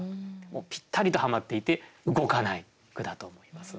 もうぴったりとはまっていて動かない句だと思います。